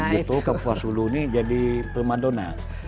kabupaten kapuasulu ini jadi permadona